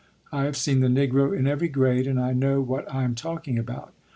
I have seen the Negro in every grade, and I know what I am talking about.